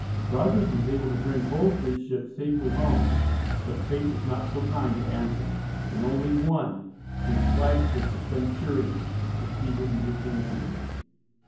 Rogers was able to bring both his ships safely home, but fate was not so kind to Anson, and only one, his flagship the Centurion, succeeded in reaching England.